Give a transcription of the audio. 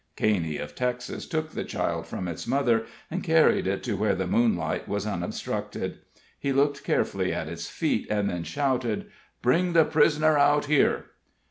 Caney, of Texas, took the child from its mother and carried it to where the moonlight was unobstructed. He looked carefully at its feet, and then shouted: "Bring the prisoner out here."